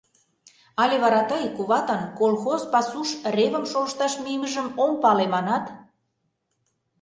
Але вара тый куватын колхоз пасуш ревым шолышташ мийымыжым ом пале, манат?